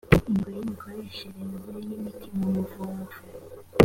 ingingo ya imikoreshereze y imiti mu buvumvu